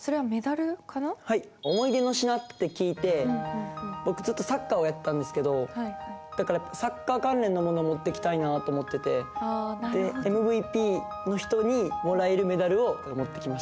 思い出の品って聞いて僕ずっとサッカーをやってたんですけどだからサッカー関連の物を持ってきたいなと思っててでＭＶＰの人にもえらるメダルを持ってきました。